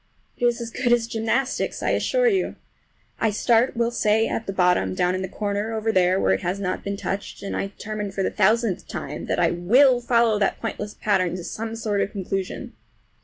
It is as good as gymnastics, I assure you. I start, we'll say, at the bottom, down in the corner over there where it has not been touched, and I determine for the thousandth time that I will follow that pointless pattern to some sort of a conclusion.